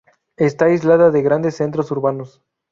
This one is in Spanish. Está aislada de grandes centros urbanos.